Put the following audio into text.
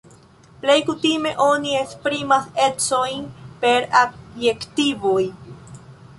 Plej kutime oni esprimas ecojn per adjektivoj.